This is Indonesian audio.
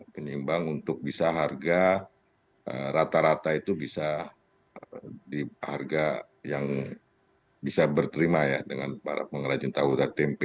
penyeimbang untuk bisa harga rata rata itu bisa di harga yang bisa berterima ya dengan para pengrajin tahu dan tempe